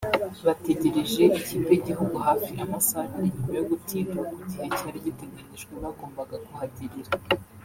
bategereje ikipe y’igihugu hafi amasaha abiri nyuma yo gutinda ku gihe cyari giteganyijwe bagombaga kuhagerera